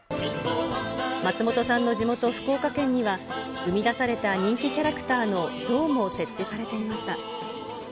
松本さんの地元、福岡県には、生み出された人気キャラクターの像も設置されていました。